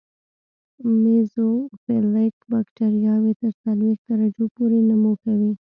میزوفیلیک بکټریاوې تر څلوېښت درجو پورې نمو کوي.